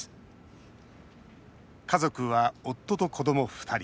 家族は夫と子ども２人。